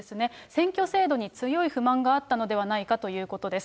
選挙制度に強い不満があったのではないかということです。